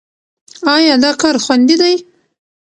ایا دا کار خوندي دی؟